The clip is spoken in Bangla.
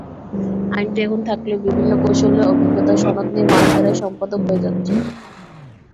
আইনটি এখন থাকলেও বিভিন্ন কৌশলে অভিজ্ঞতার সনদ নিয়ে মালিকেরাই সম্পাদক হয়ে যাচ্ছেন।